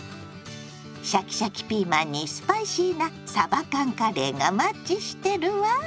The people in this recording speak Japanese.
シャキシャキピーマンにスパイシーなさば缶カレーがマッチしてるわ。